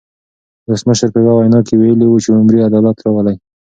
ولسمشر په یوه وینا کې ویلي وو چې عمري عدالت راولي.